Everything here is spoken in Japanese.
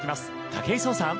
武井壮さん。